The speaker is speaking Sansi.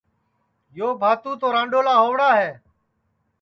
یو باتو تو رانڈؔولا ہوڑا ہے